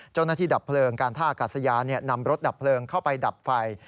เจ้าหน้าที่ดับเผลิงการท่ากัดสยานำรถดับเผลิงเข้าไปดับไฟ